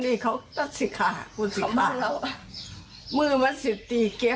ตีแบบใดเนี่ยเอามือจาบคอก